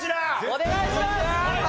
お願いします！